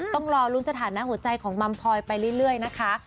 ต้องรอลุ้นสถานะหัวใจของมัมพลอยไปเรื่อยนะคะ